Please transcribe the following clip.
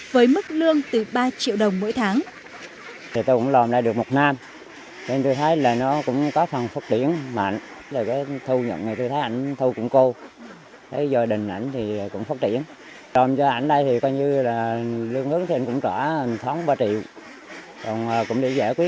với mức lương từ ba triệu đồng mỗi tháng